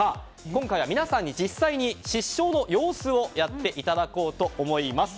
今回は皆さんに実際に失笑の様子をやっていただこうと思います。